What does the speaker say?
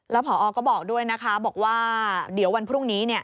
แล้วพอก็บอกด้วยนะคะบอกว่าเดี๋ยววันพรุ่งนี้